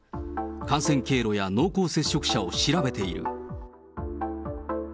感染経路や濃厚接触者を調べている。